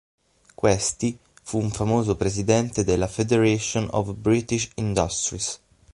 Questi fu un famoso presidente della Federation of British Industries.